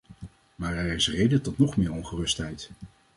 Maar er is reden tot nog meer ongerustheid.